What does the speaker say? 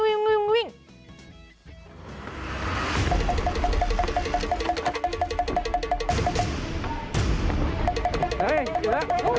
เฮ้ยอยู่แล้วหยุด